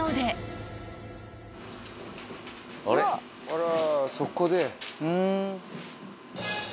あらそこで。